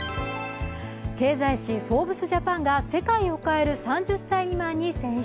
経済誌「フォーブスジャパン」が世界を変える３０歳未満に選出。